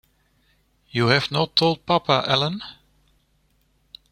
You have not told papa, Ellen?